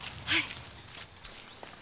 はい。